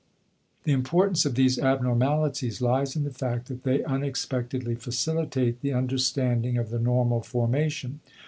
The importance of these abnormalities lies in the fact that they unexpectedly facilitate the understanding of the normal formation.